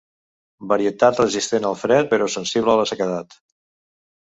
Varietat resistent al fred però sensible a la sequedat.